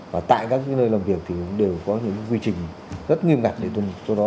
và tại các nơi làm việc thì đều có những quy trình rất nghiêm ngặt để tùm xuống đó